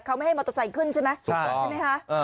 เขาไม่ให้มอเตอร์ไซค์ขึ้นใช่ไหมใช่ไหมคะ